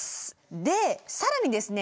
で更にですね